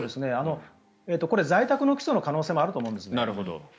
在宅の起訴の可能性はあると思うんです。